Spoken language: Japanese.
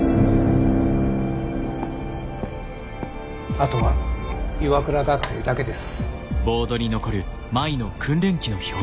あとは岩倉学生だけです。